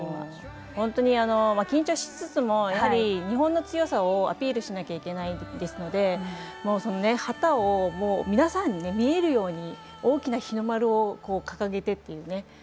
本当に、緊張しつつも日本の強さをアピールしなきゃいけないので旗を皆さんに見えるように大きな日の丸を掲げてという。